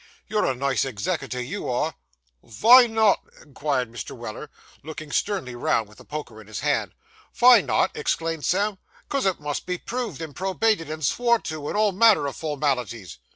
'You're a nice eggzekiter, you are.' 'Vy not?' inquired Mr. Weller, looking sternly round, with the poker in his hand. 'Vy not?' exclaimed Sam. ''Cos it must be proved, and probated, and swore to, and all manner o' formalities.